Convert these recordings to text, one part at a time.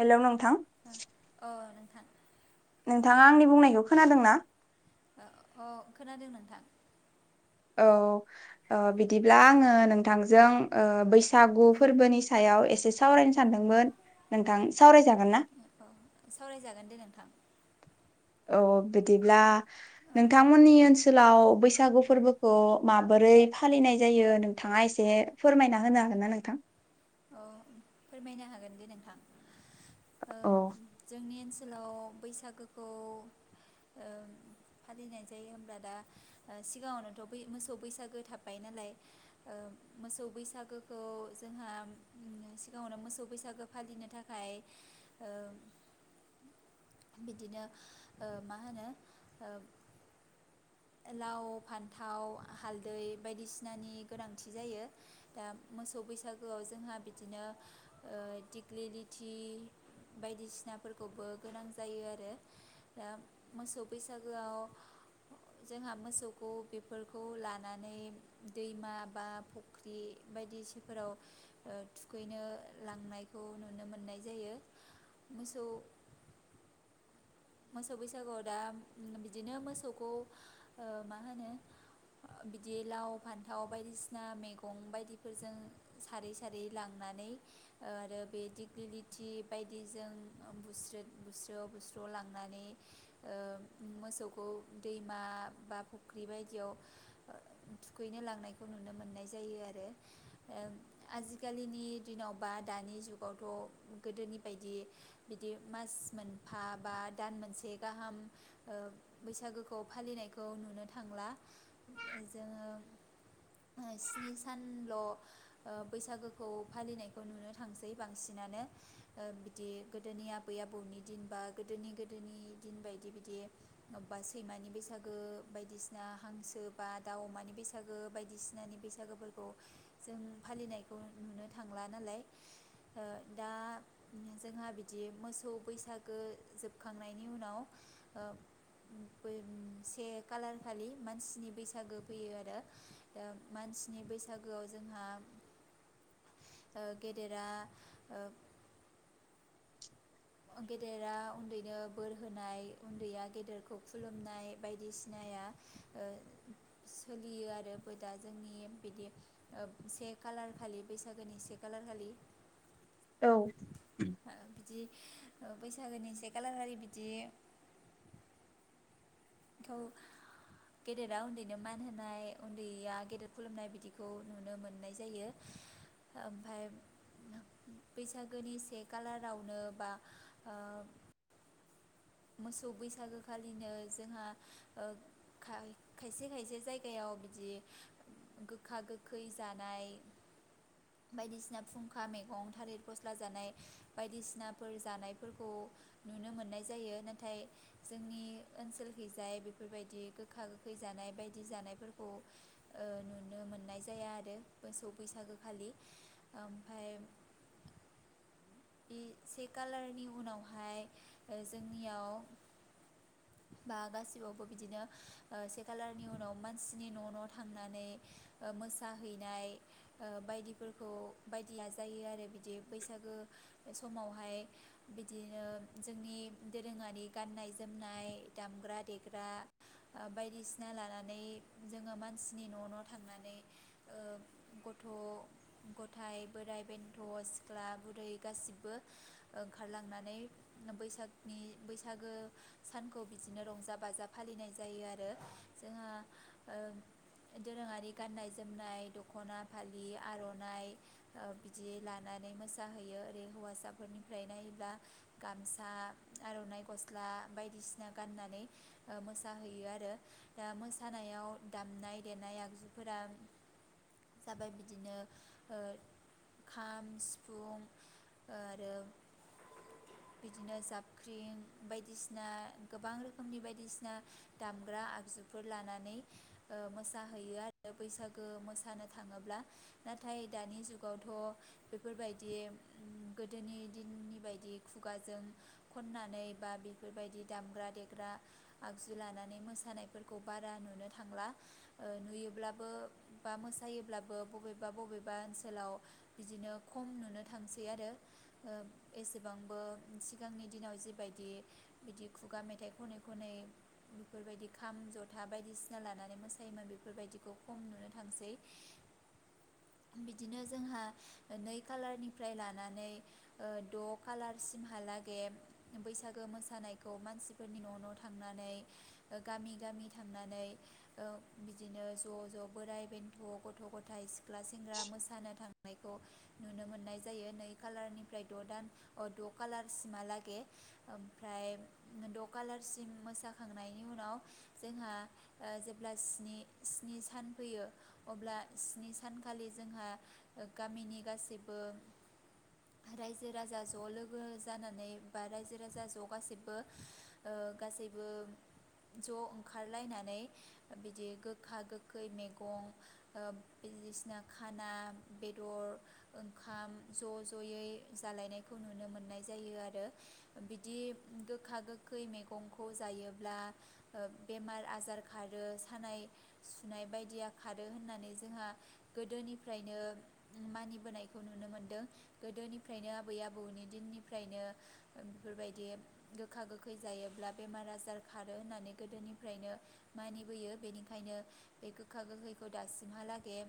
Hello नोंथां अ नोंथां नोंथाङा आंनि बुंनायखौ खोनादों ना? ओ अ' खोनादों नोंथां। औ ओ बिदिब्ला आंङो नोंथांजों ओ बैसागु फोरबोनि सायाव एसे सावरायनो सानदोंमोन नोंथां सावरायजागोनना औ सावरायजागोन दे नोंथां। औ बिदिब्ला औ नोंथांमोननि ओनसोलाव बैसागु फोरबोखौ माबोरै फालिनाय जायो नोंथाङा एसे फोरमायना होनो हागोन ना नोंथां औ फोरमायनो हागोन दे नोंथां। ओ औ जोंनि ओनसो सोलाव बैसागोखौ ओ फालिनाय जायो होमब्ला दा ओ सिगाङावनोथ' बै मोसौ बैसागो थाबाय नालाय ओ मोसौ बैसागोखौ जोंहा सिगाङावनो मोसौ बैसागो फालिनो थाखाय ओ बिदिनो ओ मा होनो ओ लाव फान्थाव हालदै बायदिसिनानि गोनांथि जायो दा मोसौ बैसागोआव जोंहा बिदिनो ओ दिग्लिलिथि बायदिसिनाफोरखौबो गोनां जायो आरो ओ मोसौ बैसागोआव जोंहा मोसौखौ बेफोरखौ लानानै दैमा बा फुख्रि बायदिसिफोराव ओ थुखैनो लांनायखौ नुनो मोननाय जायो मोसौ मोसौ बैसागुआव दा बिदिनो मोसौखौ ओ मा होनो ओ बिदि लाव फान्थाव बायदिसिना मैगं बायदिफोरजों सारै सारै लांनानै ओ आरो बे दिग्लिलिथि बायदिजों बुस्रोद बुस्र बुस्र लां माने ओ मोसौखौ दैमा बा फुख्रि बायदियाव दुगैनो लांनायखौ नुनो मोननाय जायो आरो ओ आजिकालिनि दिनाव बा दानि जुागावथ गोदोनि बायदि बिदि मास मोनफा बा दान मोनसे गाहाम ओ बैसागोखौ फालिनायखौ नुनो थांला ओ जोङो ओ स्नि सानल ओ बैसागोखौ फालिनायखौ नुनो थांसै बांसिनानो ओ बिदि गोदोनि आबै आबौनि दिन बा गोदोनि गो गोदोनि दिन बायदि बिदि अबेबा सैमानि बैसागो बायदिसिना हांसो बा दा अमानि बैसागो बायदिसिनानि बैसागोफोरखौ जों फालिनायखौ नुनो थांला नालाय ओ दा जोंहा बिदि मोसौ बैसागो जोब खांनायनि उनाव ओ बै से खालार खालि मानसिनि बैसागो फैयो आरो दा मानसिनि बैसागोआव जोंहा ओ गेदेरा ओ गेदेरा उन्दैनो बोर होनाय उन्दैया गेदेरखौ खुलुमनाय बायदिसिनाया ओ सोलियो आरो बो दा जोंनि बिदि ओ से खालार खालि बैसागोनि से खालार खालि औ ओ बैसागोनि से कालार खालि बिदि खौ गेदेरा उन्दैनो मान होनाय उन्दैया गेदेर खुलुमनाय बिदिखौ नुनो मोननाय जायो ओमफ्राय बैसागोनि से खालारावनो बा ओ मोसौ बैसागोखालिनो जोंहा ओ खाय खायसे खायसे जायगायाव बिदि गोखा गोखै जानाय बायदिसिना फुंखा मैगं थालिर फस्ला जानाय बायदिसिनाफोर जानायफोरखौ नुनो मोननाय जायो नाथाय जोंनि ओनसोलहैजाय बेफोरबायदि गोखा गोखै जानाय बायदि जानायफोरखौ ओ नुनो मोननाय जाया आरो मोसौ बैसागोखालि ओमफाय बे से खालारनि उनावहाय ओ जोंनियाव बा गासियावबो बिदिनो ओ से खालारनि उनाव मानसिनि न' न' थांनानै ओ मोसाहैनाय ओ बायदिफोरखौ बायदि लाजायो आरो बिदि बैसागो समावहाय बिदिनो जोंनि दोरोङारि गाननाय जोम जोमनाय दामग्रा देग्रा ओ बायदिसिना लानानै जोङो मानसिनि न' न' थांनानै ओ गथ' गथाय बोराइ बेन्थ सिख्ला गुरै गासिबो ओंखारलांनानै बैसागनि बैसागो सानखौ बिदिनो रंजा बाजा फालिनाय जायो आरो जोंहा ओ दोरोङारि गाननाय जोमनाय द'खना फालि आरनाइ ओ बिदि लानानै मोसाहैयो ओरै हौवासाफोरनिफ्राय नायोब्ला गामसा आरनाइ गस्ला बायदिसिना गाननानै ओ मोसाहैयो आरो दा मोसानायाव दामनाय देनाय आगजुफोरा जाबाय बिदिनो ओ खाम सिफुं ओ आरो बिदिनो जाबख्रिं बायदिसिना ना गोबां रोखोमनि बायदिसिना दामग्रा आगजुफोर लानानै ओ मोसाहैयो आरो बैसागो मोसानो थाङोब्ला नाथाय दानि जुगावथ बेफोरबायदि ओम गोदोनि दिननि बायदि खुगाजों खननानै बा बे बेफोरबायदि दामग्रा देग्रा आगजु लानानै मोसानायफोरखौ बारा नुनो थांला ओ नुयोब्लाबो बा मोसायोब्लाबो बबेबा बबेबा ओनसोलाव बिदिनो खम नुनो थांसै आरो ओ एसेबांबो सिगांनि दिनाव जिबायदि बिदि खुगा मेथाइ खनै खनै बेफोरबायदि खाम जथा बायदिसिना लानानै मोसायोमोन बेफोरबायदिखौ खम नुनो थांसै बिदिनो जोंहा नै खालारनिफ्राय लानानै ओ द खालारसिमहालागै बैसागो मोसानाय खौ मानसिफोरनि न' न' थांनानै ओ गामि गामि थांनानै ओ बिदिनो ज ज बोराइ बेन्थ गथ गथाय सिख्ला सेंग्रा मोसानो थांनायखौ नुनो मोननाय जायो नै खालारनिफ्राय द दान अ द खालारसिमहालागै ओमफ्राय द' खालारसिम मोसाखांनायनि उनाव जोंहा ओ जेब्ला स्नि सान फैयो अब्ला स्नि सानखालि जोंहा ओ गामिनि गासैबो रायजो राजा ज' लोगो जानानै बा रायजो राजा ज' गासैबो ओ गासैबो ज ओंखारलायनानै बिदि गोखा गोखै मैगं ओ बायदिसिना खाना बेदर ओंखाम ज जयै जालायनायखौ नुनो मोननाय जायो आरो ओ बिदि गोखा-गोखै मैगंखौ जायोब्ला बेमार आजार खारो सानाय सुनाय बायदिया खारो होननानै जोंहा गोदोनिफ्रायनो मानिबोनायखौ नुनो मोनदों गोदोनिफ्रायनो आबै-आबौनि दिननिफ्रायनो बेफोरबायदि गोखा गोखै जायोब्ला बेमार आजार खारो होननानै गोदोनिफ्रायनो मानिबोयो बेनिखायनो बे गोखा गोखैखौ दासिमहालागै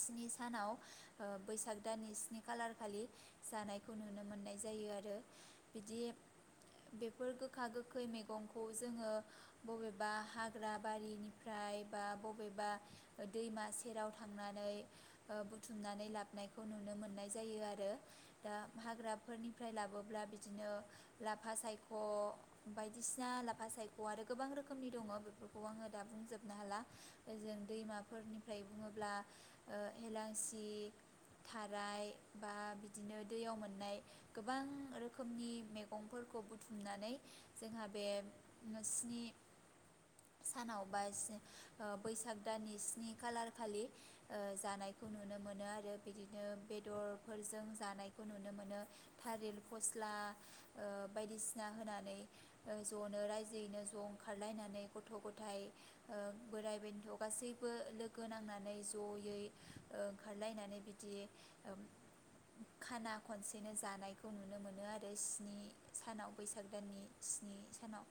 स्नि सानाव ओ बैसाग दाननि स्नि खालार खालि जानायखौ नुनो मोननाय जायो आरो। बिदि बेफोर गोखा गोखै मैगंखौ जोङो बबेबा हाग्रा बारिनिफ्राय बा बबेबा दैमा सेराव थांनानै ओ बुथुमनानै लाबोनायखौ नुनो मोननाय जायो आरो दा हाग्राफोरनिफ्राय लाबोब्ला बि बिदिनो लाफा सायख' बायदिसिना लाफा सायख' आरो गोबां रोखोमनि दङ बेफोरखौ आङो दा बुंजोबनो हाला ओ जों दैमाफोरनिफ्राय बुङोब्ला हेेलांसि थाराय बा बिदिनो दैयाव मोननाय गोबां रो रोखोमनि मैगंफोरखौ बुथुमनानै जोंहा बे स्नि सानाव बा ओ बैसाग दाननि स्नि खालार खालि ओ जानायखौ नुनो मोनो आरो बिदिनो बेदरफोरजों जानायखौ नुनो मोनो‌ थालिर फस्ला ओ बायदिसिना होनानै ज'नो रायजोयैनो ज' ओंखारलायनानै गथ' गथाय बोराइ बेन्थ' गासैबो लोगो नांनानै ज'यै ओंखारलायनानै बिदि ओ खाना खनसेनो जानायखौ नुनो नुनो मोनो आरो स्नि सानाव बैसाग दाननि स्नि सानाव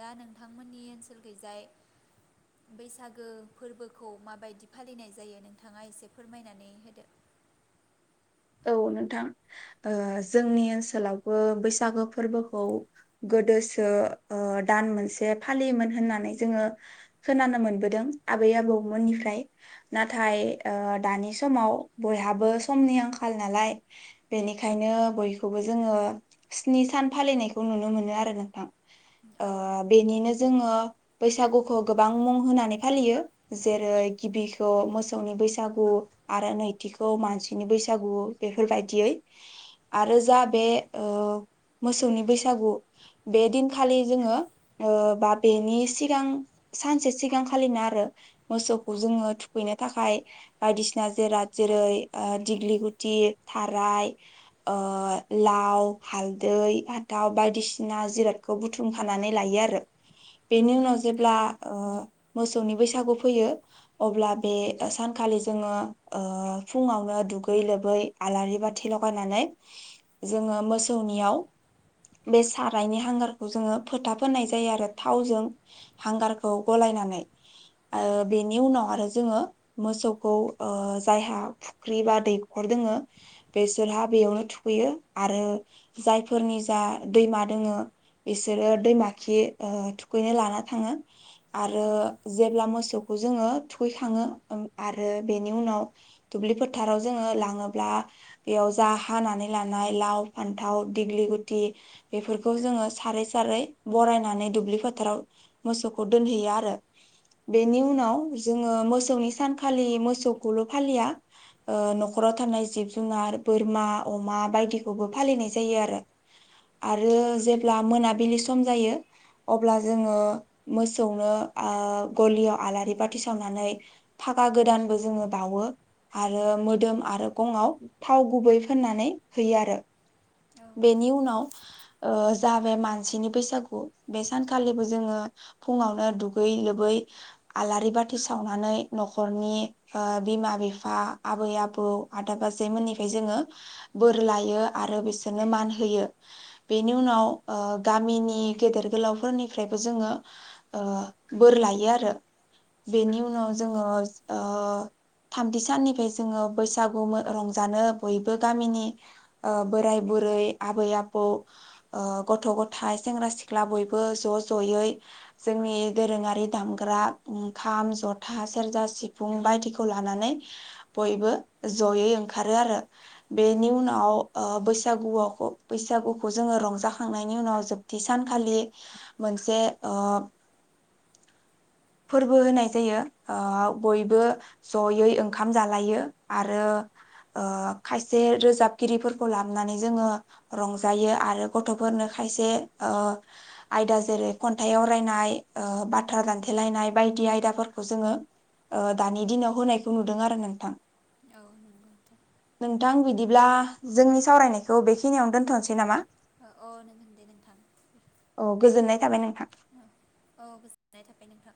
दा नोंथांमोननि ओनसोल गैजाय बैसागो फोरबोखौ माबायदि फालिनाय जायो नोंथाङा एसे फोरमायनानै होदो औ नोंथां ओ जोंनि ओनसोलावबो बैसागो फोरबोखौ गोदोसो ओ दान मोनसे फालियोमोन होननानै जोङो खोनानो मोनबोदों आबै आबौमोननिफ्राय नाथाय ओ दानि समाव बयहाबो समनि आंखाल। फाल नालाय बेनिखायनो बयखौबो जोङो स्नि सान फालिनायखौ नुनो मोनो आरो नोंथां। ओ औ नोंथां बेनिनो जोङो। बैसागुखौ गोबां मुं होनानै फालियो जेरै गिबिखौ मोसौनि बैसागु आरो नैथिखौ मानसिनि बैसागु। बैसागु बेफोरबायदियै आरो जा बे ओ मोसौनि बैसागु बे दिनखालि जोङो ओ बा बेनि सिगां सानसे सिगांखालिनो आरो मोसौखौ जोङो थुखैनो थाखाय बायदिसिना जेराद जेरै ओ दिग्लि गुथि थाराय ओ लाव हालदै हाथाव बायदिसिना जिरादखौ बुथुमखानानै लायो आरो। बेनि उनाव औ जेब्ला ओ मोसौनि बैसागु फैयो अब्ला बे सानखालि जोङो ओ फुङावनो दु दुगै लोबै आलारि बाथि लगायनानै जोङो मोसौनियाव, बे सारायनि हांगारखौ जोङो फोथा फोननाय जायो आरो थावजों हांगारखौ गलायनानै। औ आरो बेनि उनाव आरो। जोङो मोसौखौ ओ जायहा फुख्रि बा दैखर दोङो बिसोरहा बेयावनो थुखैयो आरो जायफोरनि जा दैमा दोङो बिसोरो दैमा खि ओ थुखैनो लाना थाङो। आरो औ जेब्ला मोसौ। जोङो थुखैखाङो ओं आरो बेनि उनाव दुब्लि फोथाराव जोङो लाङोब्ला बेयाव जा हानानै लानाय लाव फान्थाव दिग्लि गुति बेफोरखौ जोङो सारै सारै बरायनानै दुब्लि फोथाराव मोसौखौ दोनहैयो आरो। बेनि उनाव जोङो मोसौ। मोसौनि सानखालि मोसौखौल' फालिया। ओ न'खराव थानाय जिब जुनार बोरमा अमा बायदिखौबो फालिनाय जायो आरो। आरो जेब्ला मोनाबिलि सम जायो, अब्ला जोङो मोसौनो ओ गलियाव आलारि बाथि सावनानै फागा गोदानबो जोङो बावो आरो रो मोदोम आरो गंआव थाव गुबै फोननानै होयो आरो औ बेनि उनाव ओ जा बे मानसिनि बैसागु बे सानखालिबो जोङो फुङावनो दुगै लोबै आलारि बाथि सावनानै न'खरनि ओ बिमा बिफा आबै-आबौ आदा-बाजै मोननिफ्राय जोङो बोर लायो आरो बिसोरनो मान होयो बेनि उनाव ओ गामिनि गेदेर गोलावफोरनिफ्रायबो जोङो ओ बोर लायो आरो बेनि औ उनाव जोङो। ओ थामथि साननिफाय जोङो बैसागु मो रंजानो बयबो गामिनि ओ बोराय- बुरै, आबै-आबौ, गथ'-गथायाइ, सेंग्रा-सिख्ला बयबो ज' ज'यै जोंनि दोरोङारि दामग्रा ओ खाम, जथा सेरजा, सिफुं बायदिखौ लानानै बयबो जयै ओंखारो आरो। बे निउनाव ओ बैसागुआव बैसागुखौ जोङो रंजाखांनायनि उनाव जोबथि सानखालि मोनसे ओ‌ फोरबो होनाय जायो ओ बयबो जयै ओंखाम जालायो आरो ओ खायसे रोजाबगिरिफोरखौ लाबोनानै जोङो रंजायो आरो गथ'फोरनो खायसे ओ आयदा जेरै खन्थाइ आवरायनाय ओ बाथ्रा दान्थ हेलायनाय बायदि आयदाफोरखौ जोङो दानि दिनाव होनायखौ नुदों आरो नोंथां। औ नंगौ दे। नोंथां बिदिब्ला जोंनि सावरायनायखौ बेखिनियावनो दोनथ'नोसै नामा। औ नोंथां दे नोंथां। औ गोजोननाय थाबाय नोंथां। [inaudible] औ गोजोननाय थाबाय नोंथां